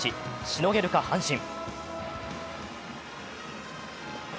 しのげるか阪神。